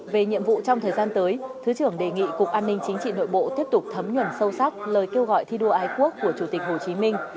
về nhiệm vụ trong thời gian tới thứ trưởng đề nghị cục an ninh chính trị nội bộ tiếp tục thấm nhuận sâu sắc lời kêu gọi thi đua ái quốc của chủ tịch hồ chí minh